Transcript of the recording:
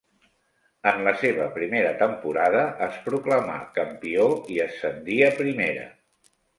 En la seva primera temporada es proclamà campió i ascendí a Primera.